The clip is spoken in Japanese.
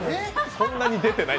そんなに出てない。